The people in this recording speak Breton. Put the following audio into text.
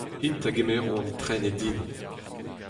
Int a gemero an tren e Dinan.